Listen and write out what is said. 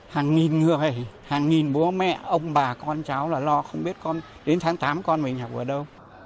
hàng nghìn người hàng nghìn bố mẹ ông bà con cháu là lo không biết đến tháng tám con mình học ở đâu